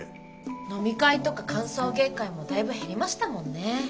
飲み会とか歓送迎会もだいぶ減りましたもんね。